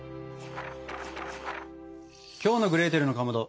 きょうの「グレーテルのかまど」